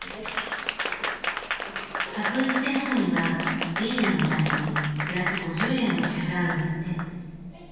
角打ちで飲むにはビールの値段にプラス５０円を支払うんだって。